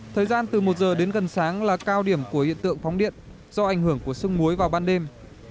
thời gian từ một giờ đến gần sáng là cao điểm của hiện tượng phóng điện do ảnh hưởng của sưng muối vào ban đêm